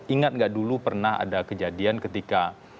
ingat nggak dulu pernah ada kejadian ketika